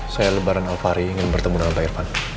saya lebaran alpahari ingin bertemu dengan pak irvan